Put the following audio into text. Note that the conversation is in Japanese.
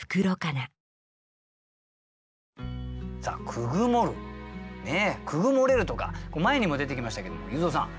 「くぐもる」「くぐもれる」とか前にも出てきましたけども裕三さん